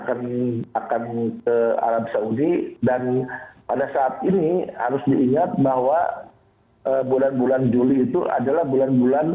akan akan ke arab saudi dan pada saat ini harus diingat bahwa bulan bulan juli itu adalah bulan bulan